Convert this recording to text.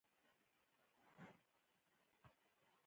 دا همغږي د چا له خوا منځ ته راځي؟